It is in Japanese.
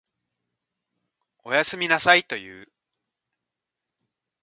おやすみなさいと言う。